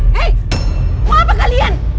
hei mau apa kalian